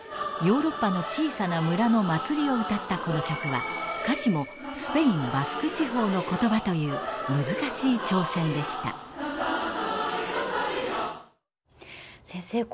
ヨーロッパの小さな村の祭りを歌ったこの曲は歌詞もスペインバスク地方の言葉という難しい挑戦でした先生